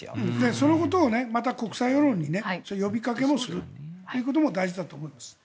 そのことを国際世論に呼びかけをすることも大事だと思うんです。